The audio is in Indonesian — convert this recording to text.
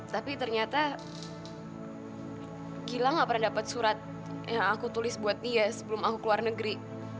tapi ternyata gila gak pernah dapat surat yang aku tulis buat dia sebelum aku keluar negeri